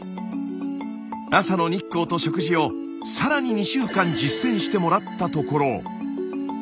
朝の日光と食事をさらに２週間実践してもらったところ。